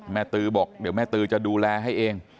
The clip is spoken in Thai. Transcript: ตือบอกเดี๋ยวแม่ตือจะดูแลให้เอง